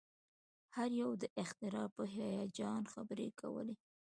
هر یو د اختراع په هیجان خبرې کولې